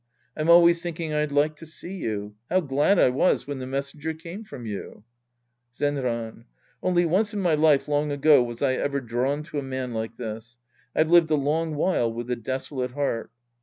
I'm always thinking I'd like to see you. How glad I was when the mes senger came from you ! Zenran. Only once in my life long ago was I ever drawn to a man like this. I've lived a long while with a desolate heart.